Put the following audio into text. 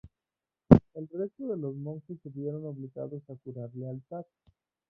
El resto de los monjes se vieron obligados a jurar lealtad.